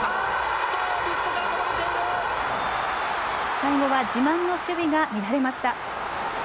最後は自慢の守備が乱れました。